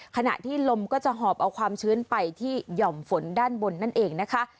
ขณะที่ลมก็จะหอบเอาความชื้นไปที่หย่อมฝนด้านบนนั่นเองนะคะ